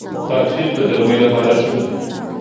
خاکشیر د ګرمۍ لپاره ښه دی.